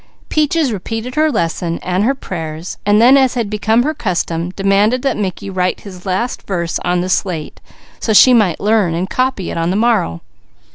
Peaches repeated her lesson and her prayers and then as had become her custom, demanded that Mickey write his last verse on the slate, so she might learn and copy it on the morrow.